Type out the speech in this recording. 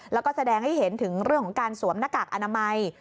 แล้วก็แสดงให้เห็นถึงเรื่องของการสวมหน้ากากอนามัย